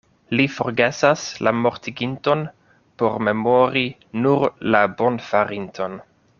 Li forgesas la mortiginton por memori nur la bonfarinton.